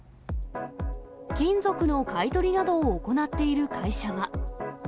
金属の買い取りなどを行っている会社は。